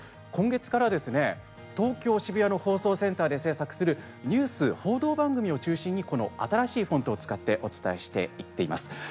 今月からですね東京・渋谷の放送センターで制作するニュース、報道番組を中心にこの新しいフォントを使ってお伝えしていっています。